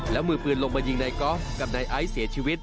แล้วมือปืนลงมายิงนายกอล์ฟกับนายไอซ์เสียชีวิต